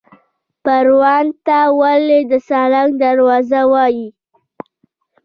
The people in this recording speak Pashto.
پروان ته ولې د سالنګ دروازه وایي؟